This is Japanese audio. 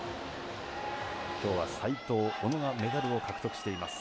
きょうは齋藤、小野がメダルを獲得しています。